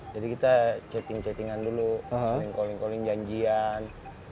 jadi kita chatting chattingan dulu saling calling calling janjian